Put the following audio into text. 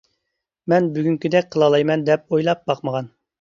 مەن بۈگۈنكىدەك قىلالايمەن دەپ ئويلاپ باقمىغان.